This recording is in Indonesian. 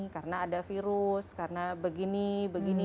karena ada virus karena begini begini